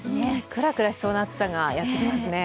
クラクラしそうな暑さがやってきますね。